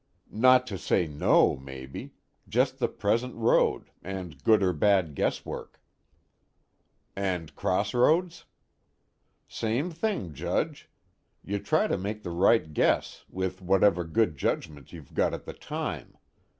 "Not to say know, maybe. Just the present road, and good or bad guesswork." "And crossroads?" "Same thing, Judge. You try to make the right guess, with whatever good judgment you've got at the time.